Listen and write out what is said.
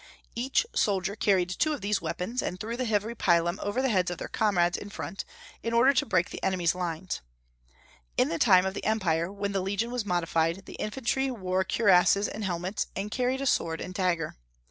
Each soldier carried two of these weapons, and threw the heavy pilum over the heads of their comrades in front, in order to break the enemy's line. In the time of the empire, when the legion was modified, the infantry wore cuirasses and helmets, and carried a sword and dagger.